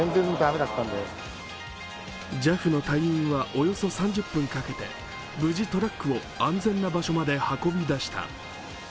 ＪＡＦの隊員はおよそ３０分かけて、無事トラックを安全な場所まで運び出した。